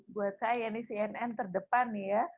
buat saya ini cnn terdepan nih ya